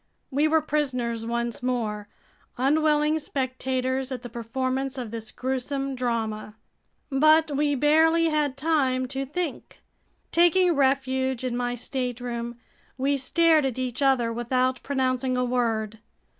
We were prisoners once more, unwilling spectators at the performance of this gruesome drama. But we barely had time to think. Taking refuge in my stateroom, we stared at each other without pronouncing a word.